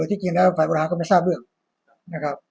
ที่จริงแล้วฝ่ายบริหารก็ไม่ทราบเรื่องนะครับ